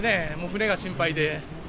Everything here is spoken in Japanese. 船が心配で。